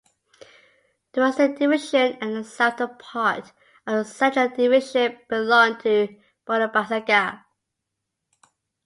The Western Division and the southern part of the Central Division belong to Burebasaga.